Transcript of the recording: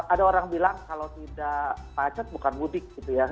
ada orang bilang kalau tidak macet bukan mudik gitu ya